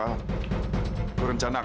kau ada keserlangan